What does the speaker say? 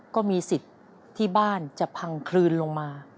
ก็มีสิทธิ์ที่บ้านจะพังคลืนลงมา